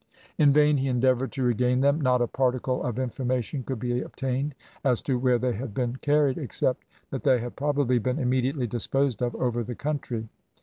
"In vain he endeavoured to regain them, not a particle of information could he obtain as to where they had been carried, except that they had probably been immediately disposed of over the country.